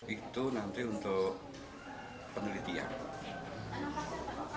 itu nanti untuk penelitian